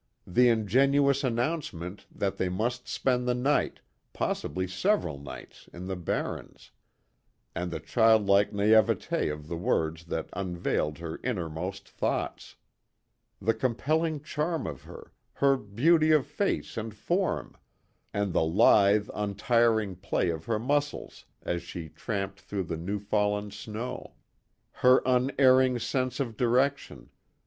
The ingenuous announcement that they must spend the night possibly several nights in the barrens. And the childlike naïvete of the words that unveiled her innermost thoughts. The compelling charm of her, her beauty of face and form, and the lithe, untiring play of her muscles as she tramped through the new fallen snow. Her unerring sense of direction.